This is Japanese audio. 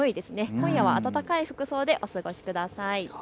今夜は暖かい服装でお過ごしください。